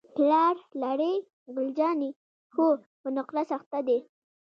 پلار لرې؟ ګل جانې: هو، په نقرس اخته دی.